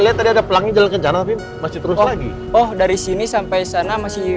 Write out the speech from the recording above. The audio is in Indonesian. lihat tadi ada pelangi jalan ke jalan tapi masih terus lagi oh dari sini sampai sana masih